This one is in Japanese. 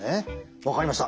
分かりました。